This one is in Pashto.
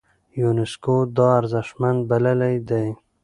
يونسکو دا ارزښتمن بللی دی.